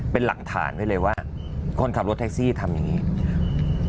เป็นหลักฐานไว้เลยว่าคนขับรถแท็กซี่ทำอย่างนี้